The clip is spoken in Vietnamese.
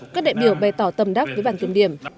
các đại biểu bày tỏ tâm đắc với bàn kiểm điểm